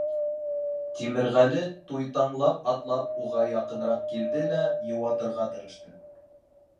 Тимерғәле туйтаңлап атлап уға яҡыныраҡ килде лә, йыуатырға тырышты: